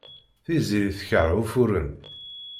Tiziri tekṛeh ufuren.